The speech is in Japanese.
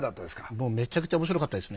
もうめちゃくちゃおもしろかったですね。